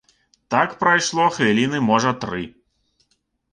Так прайшло хвіліны можа тры.